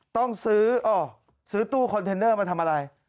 ต้องซื้อตู้คอนเทนเนอร์มาทำอะไร